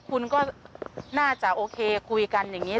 คุณก็น่าจะโอเคคุยกันอย่างนี้